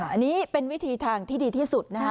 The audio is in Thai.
อันนี้เป็นวิธีทางที่ดีที่สุดนะฮะ